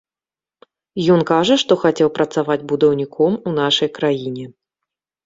Ён кажа, што хацеў працаваць будаўніком у нашай краіне.